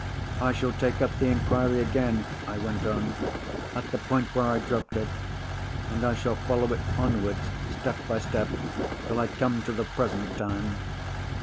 "I shall take up the inquiry again," I went on, "at the point where I dropped it; and I shall follow it onwards, step by step, till I come to the present time.